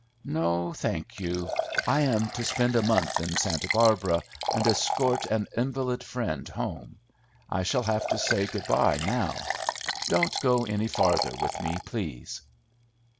"No, thank you. I am to spend a month in Santa Barbara, and escort an invalid friend home. I shall have to say good by, now. Don't go any farther with me, please."